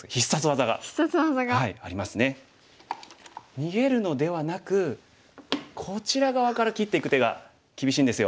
逃げるのではなくこちら側から切っていく手が厳しいんですよ。